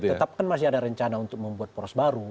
tetap kan masih ada rencana untuk membuat poros baru